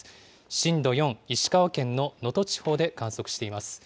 震度４、石川県の能登地方で観測しています。